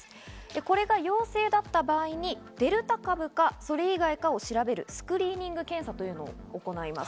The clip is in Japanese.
これが陽性だった場合にデルタ株かそれ以外かを調べるスクリーニング検査を行います。